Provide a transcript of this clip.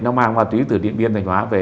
nó mang ma túy từ điện biên thanh hóa về